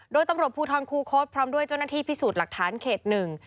โดยตำรวจภูทรคูคศพร้อมด้วยเจ้าหน้าที่พิสูจน์หลักฐานเขตหนึ่ง